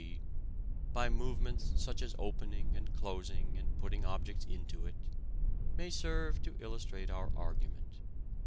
g. by movements such as opening and closing and putting objects into it, may serve to illustrate our argument.